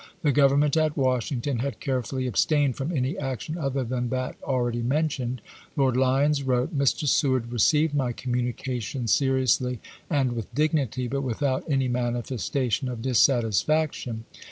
The Grovernment at Washington had care fully abstained from any action other than that already mentioned. Lord Lyons wrote : Mr. Seward received my communication seriously and with dignity, but without any manifestation of dissatis faction.